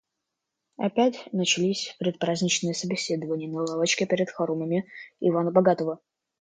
Опять начались предпраздничные собеседования на лавочке перед хоромами Ивана Богатого